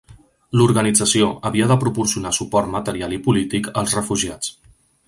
L'organització havia de proporcionar suport material i polític als refugiats.